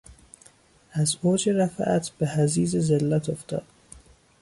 از اوج رفعت به حضیض ذلت افتاد.